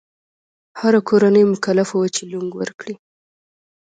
هره کورنۍ مکلفه وه چې لونګ ورکړي.